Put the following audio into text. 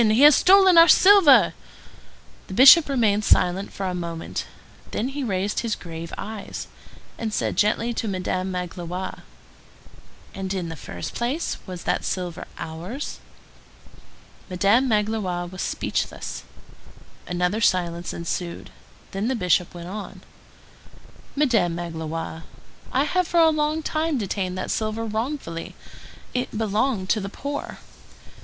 He has stolen our silver!" The Bishop remained silent for a moment; then he raised his grave eyes, and said gently to Madame Magloire:— "And, in the first place, was that silver ours?" Madame Magloire was speechless. Another silence ensued; then the Bishop went on:— "Madame Magloire, I have for a long time detained that silver wrongfully. It belonged to the poor.